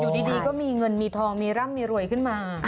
ดีก็มีเงินมีทองมีร่ำมีรวยขึ้นมา